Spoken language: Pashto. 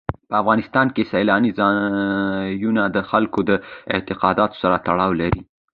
په افغانستان کې سیلانی ځایونه د خلکو د اعتقاداتو سره تړاو لري.